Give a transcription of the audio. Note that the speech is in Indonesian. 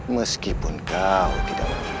meskipun kau tidak memiliki